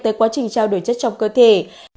tới quá trình trao đổi chất trong cơ thể